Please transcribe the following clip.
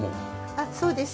あっそうです。